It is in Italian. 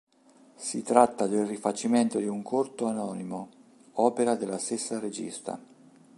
Si tratta del rifacimento di un corto omonimo, opera della stessa regista.